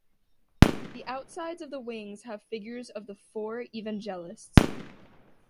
The outsides of the wings have figures of the Four Evangelists.